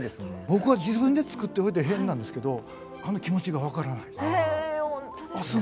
僕は自分でつくっておいて変なんですけどあの気持ちが分からないです。